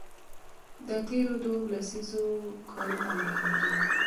د تېرو دوو لسیزو کارونه مهم دي.